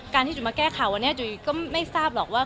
ที่จุ๋ยมาแก้ข่าววันนี้จุ๋ยก็ไม่ทราบหรอกว่า